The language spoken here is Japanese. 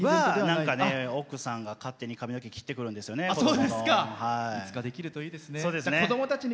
なんかね、奥さんが勝手に髪の毛切ってくるんですよね子どもの。